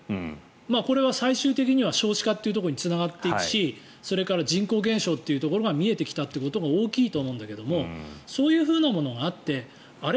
これは最終的には少子化ということにつながっていくしそれから人口減少というところが見えてきたということが大きいと思うんだけどそういうふうなものがあってあれ？